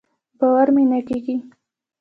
باور مې نۀ کېږي.